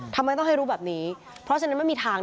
ทำไมต้องให้รู้แบบนี้เพราะฉะนั้นไม่มีทาง